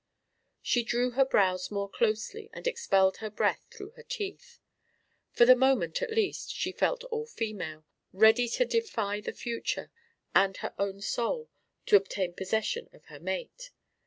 She drew her brows more closely and expelled her breath through her teeth. For the moment, at least, she felt all female, ready to defy the future and her own soul to obtain possession of her mate.